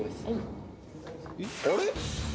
あれ？